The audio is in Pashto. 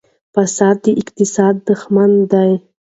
فساد د اقتصاد دښمن دی.